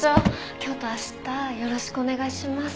今日と明日よろしくお願いします。